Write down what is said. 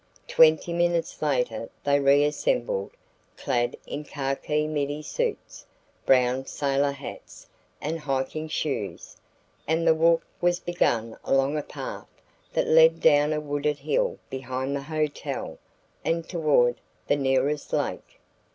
Twenty minutes later they reassembled, clad in khaki middy suits, brown sailor hats, and hiking shoes, and the walk was begun along a path that led down a wooded hill behind the hotel and toward the nearest lake.